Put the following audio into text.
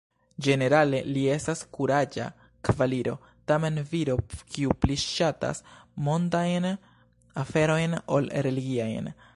Ĝenerale li estas kuraĝa kavaliro, tamen viro kiu pli ŝatas mondajn aferojn ol religiajn.